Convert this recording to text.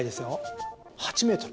８ｍ。